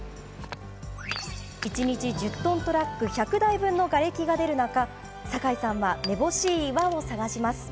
一日１０トントラック１００台分のがれきが出る中酒井さんはめぼしい岩を探します。